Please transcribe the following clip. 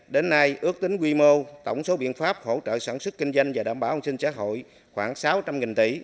đến nay ước tính quy mô tổng số biện pháp hỗ trợ sản xuất kinh doanh và đảm bảo an sinh xã hội khoảng sáu trăm linh tỷ